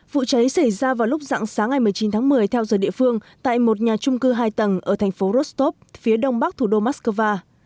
vụ cháy xảy ra vào lúc dạng sáng ngày một mươi chín tháng một mươi theo giờ địa phương tại một nhà trung cư hai tầng ở thành phố rostov phía đông bắc thủ đô moscow